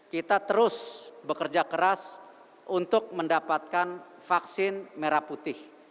kita terus bekerja keras untuk mendapatkan vaksin merah putih